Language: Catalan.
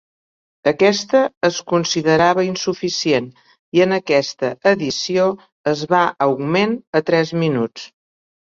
Aquesta es considerava insuficient, i en aquesta edició es va augment a tres minuts.